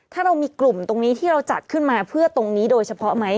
ถ้าเรามีกลุ่มตรงนี้ที่เราจัดขึ้นมาเพื่อตรงนี้โดยเฉพาะไหม